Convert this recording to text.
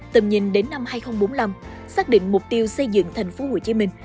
tầm nhìn đến năm hai nghìn bốn mươi năm xác định mục tiêu xây dựng thành phố hồ chí minh